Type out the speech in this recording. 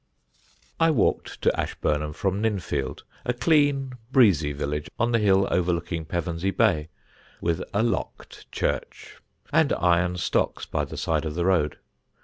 I walked to Ashburnham from Ninfield, a clean breezy village on the hill overlooking Pevensey Bay, with a locked church, and iron stocks by the side of the road.